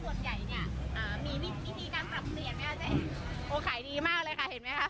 มีวิธีการปรับเปลี่ยนไหมอาจจะโอ้ขายดีมากเลยค่ะเห็นไหมค่ะ